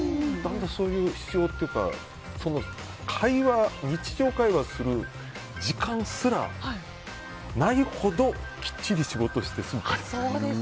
そういう必要というか日常会話する時間すらないほどきっちり仕事してる。